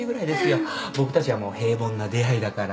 僕たちはもう平凡な出会いだから。